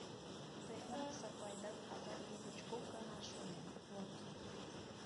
Тыйынат Сапайдат азам лугыч кок гана шуэн... вот!